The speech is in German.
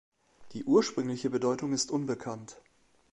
Die ursprüngliche Bedeutung ist unbekannt.